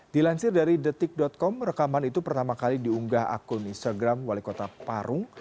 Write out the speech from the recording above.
dilansir dari detik com rekaman itu pertama kali diunggah akun instagram wali kota parung